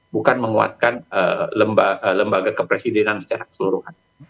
bukan menguatkan lembaga kepresidenan secara keseluruhan